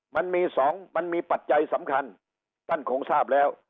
มันมีสองมันมีปัจจัยสำคัญท่านคงทราบแล้ว